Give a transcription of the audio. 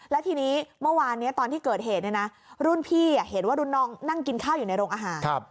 และทีนี้เมื่อวานตอนที่เกิดเหตุรุ่นพี่เห็นว่ารุ่นน้องนั่งกินข้าวอยู่ในโรงอาหาร